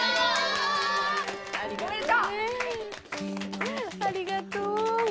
ありがとう。